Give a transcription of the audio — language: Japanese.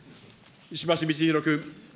石橋通宏君。